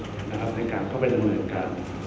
ในการเข้าไปทางหน่วยกัน